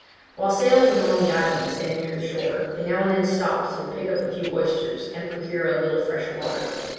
While sailing among the islands and near the shore, they now and then stopped to pick up a few oysters, and procure a little fresh water.